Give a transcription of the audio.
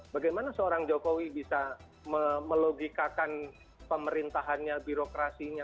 bagaimana seorang jokowi bisa melogikakan pemerintahannya birokrasinya